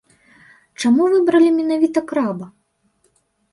Чаму выбралі менавіта краба?